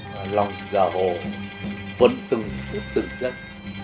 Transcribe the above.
nói rằng giả hồ vấn từng phút từng giấc